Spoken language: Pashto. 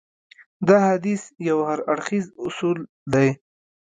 دا حديث يو هراړخيز اصول دی.